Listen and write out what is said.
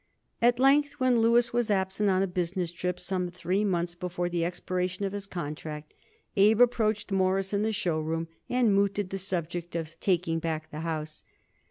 At length, when Louis was absent on a business trip some three months before the expiration of his contract, Abe approached Morris in the show room and mooted the subject of taking back the house.